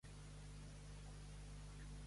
Quin comentari ha fet Carles sobre Perpinyà?